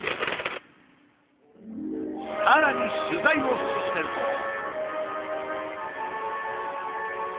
さらに取材を進めると。